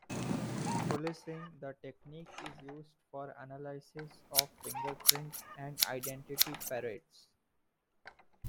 In policing, the technique is used for analysis of fingerprints and identity parades.